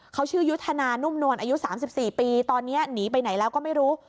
เขาชื่อยุทธนานุ่มนวลอายุ๓๔ปีตอนนี้หนีไปไหนแล้วก็ไม่รู้